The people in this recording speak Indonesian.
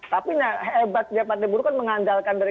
tapi hebatnya partai buruh kan mengandalkan dari